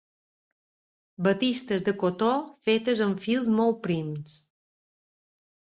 Batistes de cotó fetes amb fils molt prims.